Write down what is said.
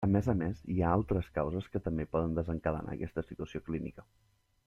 A més a més hi ha altres causes que també poden desencadenar aquesta situació clínica.